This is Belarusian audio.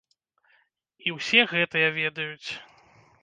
І ўсе гэтыя ведаюць.